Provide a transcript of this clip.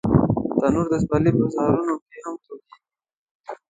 تنور د پسرلي په سهارونو کې هم تودېږي